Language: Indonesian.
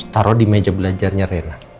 taruh di meja belajarnya rena